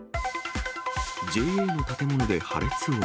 ＪＡの建物で破裂音？